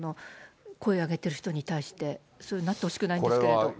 声を上げてる人に対して、そういうふうになってほしくないんですけれども。